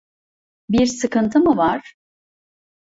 Bir sıkıntı mı var?